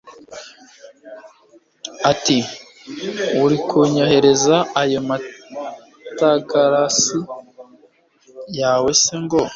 atiurikunyoherereza ayo matagarasi yawe se ngo